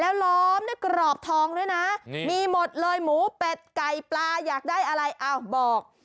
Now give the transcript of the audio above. แล้วล้อมด้วยกรอบทองด้วยนะมีหมดเลยหมูเป็ดไก่ปลาอยากได้อะไรอ้าวบอก